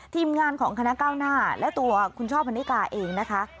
ทีมงานของคณะก้าวหน้าและตัวคุณช่อพันนิกาเองนะคะ